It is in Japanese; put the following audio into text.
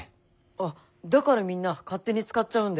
あっだからみんな勝手に使っちゃうんだよ。